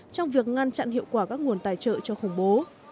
trong việc ngăn chặn hiệu quả các nguồn tài trợ cho khủng bố